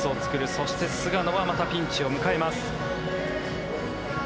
そして、菅野はまたピンチを迎えます。